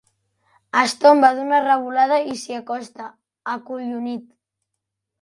Es tomba d'una revolada i s'hi acosta, acollonit.